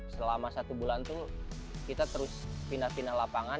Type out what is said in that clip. selama satu bulan tuh kita terus pindah pindah lapangan